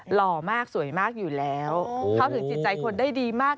หล่อมากสวยมากอยู่แล้วเข้าถึงจิตใจคนได้ดีมาก